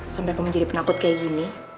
sampai kamu jadi penakut kayak gini